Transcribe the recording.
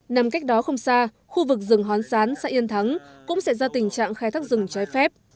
nằm cách đó không xa khu vực rừng hón sán xã yên thắng cũng sẽ ra tình trạng khai thác rừng trái phép